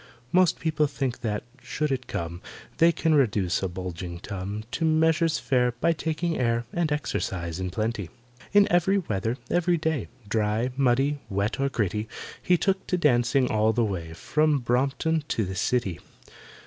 Most people think that, should it come, They can reduce a bulging tum To measures fair By taking air And exercise in plenty. In every weather, every day, Dry, muddy, wet, or gritty, He took to dancing all the way From Brompton to the City.